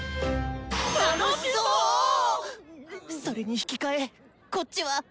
それに引き換えこっちは。